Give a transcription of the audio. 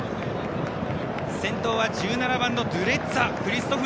先頭は１７番のドゥレッツァ。